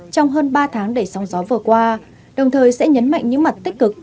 trong hơn ba tháng đẩy sóng gió vừa qua đồng thời sẽ nhấn mạnh những mặt tích cực